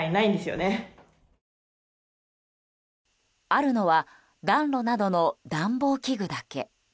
あるのは暖炉などの暖房器具だけ。